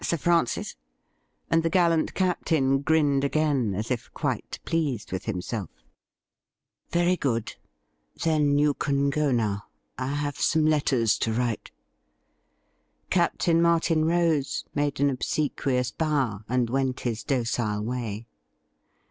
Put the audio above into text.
Sir Francis ;' and the gallant Captain grinned again, as if quite pleased with himself. 192 THE RIDDLE RING 'Very good. Then, you can go now. I have some letters to write.' Captain Martin rose, made an obsequious bow, and went his docile way.